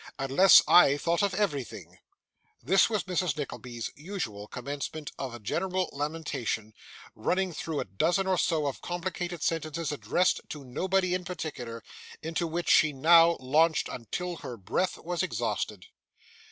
Unless I thought of everything ' This was Mrs. Nickleby's usual commencement of a general lamentation, running through a dozen or so of complicated sentences addressed to nobody in particular, and into which she now launched until her breath was exhausted.